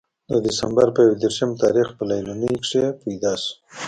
د دسمبر پۀ يو ديرشم تاريخ پۀ ليلوڼۍ کښې پېداشو